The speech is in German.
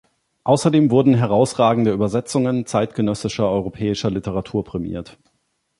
Außerdem wurden „herausragende Übersetzungen“ zeitgenössischer europäischer Literatur prämiert.